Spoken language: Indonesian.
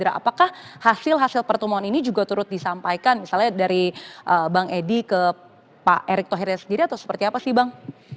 apakah hasil hasil pertemuan ini juga turut disampaikan misalnya dari bang edi ke pak erick thohir sendiri atau seperti apa sih bang